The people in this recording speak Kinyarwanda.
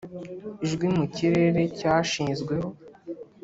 ijwi mu kirere cyashizweho,